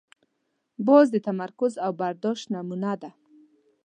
باز د تمرکز او برداشت نمونه ده